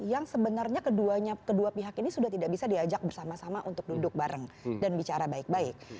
yang sebenarnya kedua pihak ini sudah tidak bisa diajak bersama sama untuk duduk bareng dan bicara baik baik